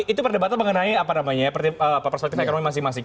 itu berdebatan mengenai perspektif ekonomi masing masing